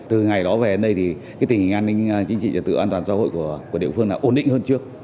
từ ngày đó về đến đây thì tình hình an ninh chính trị trật tự an toàn xã hội của địa phương là ổn định hơn trước